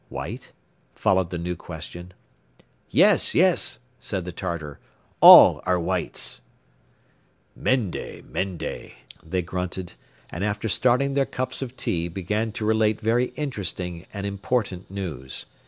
(White?)" followed the new question. "Yes, yes," said the Tartar, "all are Whites." "Mende! Mende!" they grunted and, after starting their cups of tea, began to relate very interesting and important news.